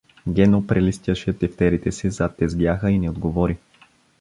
Гено прелистяше тефтерите си зад тезгяха и не отговори.